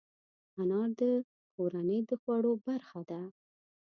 انار د کورنۍ د خوړو برخه ده.